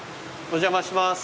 お邪魔します。